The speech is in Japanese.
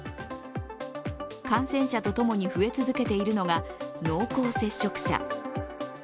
感染者とともに増え続けているのが濃厚接触者。